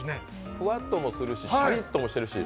フワッともするしシャリッともするし。